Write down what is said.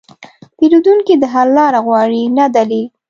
پیرودونکی د حل لاره غواړي، نه دلیل.